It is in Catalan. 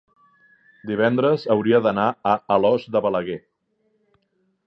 divendres hauria d'anar a Alòs de Balaguer.